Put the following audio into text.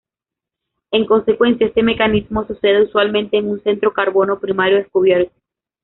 En consecuencia, este mecanismo sucede usualmente en un centro carbono primario descubierto.